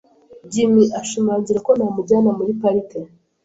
Jimmy ashimangira ko namujyana muri pariki.